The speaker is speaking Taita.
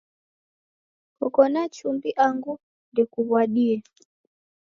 Koko na chumbi angu ndekuw'adie?